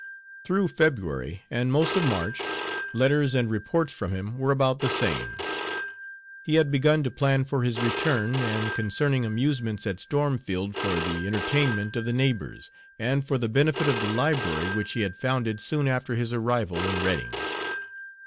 Through February, and most of March, letters and reports from him were about the same. He had begun to plan for his return, and concerning amusements at Stormfield for the entertainment of the neighbors, and for the benefit of the library which he had founded soon after his arrival in Redding.